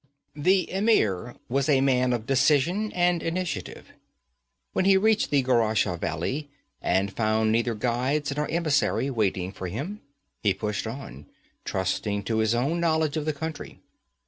Their emir was a man of decision and initiative. When he reached the Gurashah valley, and found neither guides nor emissary waiting for him, he pushed on, trusting to his own knowledge of the country.